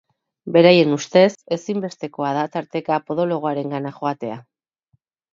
Beraien ustez, ezinbestekoa da tarteka podoloarengana joatea.